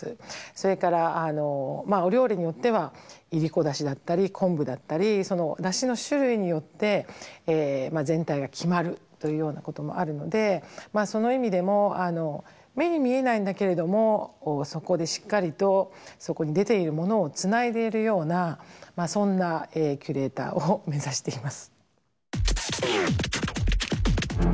それからお料理によってはいりこだしだったり昆布だったり出汁の種類によって全体が決まるというようなこともあるのでその意味でも目に見えないんだけれどもそこでしっかりとそこに出ているものをつないでいるようなそんなキュレーターを目指しています。